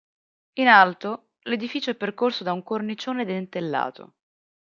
In alto l'edificio è percorso da un cornicione dentellato.